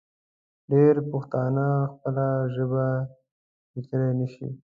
ډېری پښتانه خپله ژبه لیکلی نشي.